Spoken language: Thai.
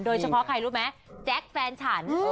โดยเฉพาะใครรู้ไหมแจ๊คแฟนฉัน